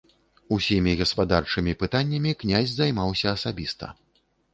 Усімі гаспадарчымі пытаннямі князь займаўся асабіста.